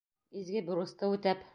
Изге бурысты үтәп.